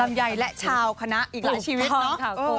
ลำไยและชาวคณะอีกหลายชีวิตนะคะคุณ